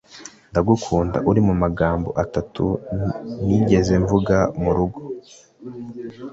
ndagukunda uri amagambo atatu ntigeze mvuga murugo